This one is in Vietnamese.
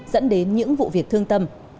dẫn đến những vụ việc thương tâm